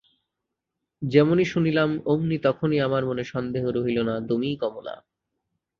যেমনি শুনিলাম অমনি তখনই আমার মনে সন্দেহ রহিল না তুমিই কমলা।